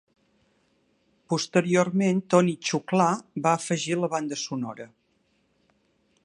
Posteriorment Toni Xuclà va afegir la banda sonora.